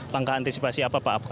langkah antisipasi apa pak